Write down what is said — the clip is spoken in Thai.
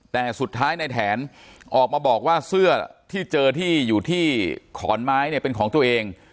แต่สุดท้ายในแถนออกมาบอกว่าเสื้อที่เจอที่อยู่ที่ขอนไม้เนี่ยเป็นของตัวเอง